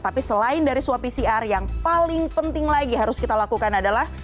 tapi selain dari swab pcr yang paling penting lagi harus kita lakukan adalah